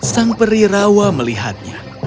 sang peri rawa melihatnya